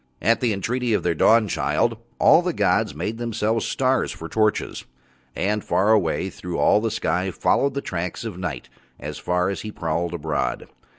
At the entreaty of Their Dawnchild all the gods made Themselves stars for torches, and far away through all the sky followed the tracks of Night as far as he prowled abroad.